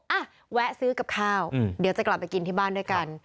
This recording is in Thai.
อ่ะแวะซื้อกับข้าวเดี๋ยวจะกลับไปกินที่บ้านด้วยกัน